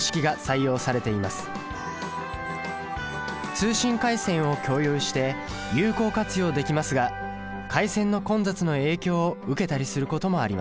通信回線を共有して有効活用できますが回線の混雑の影響を受けたりすることもあります。